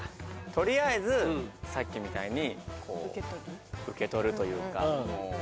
とりあえずさっきみたいにこう受け取るというか。